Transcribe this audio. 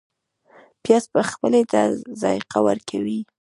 پیاز پخلی ته ذایقه ورکوي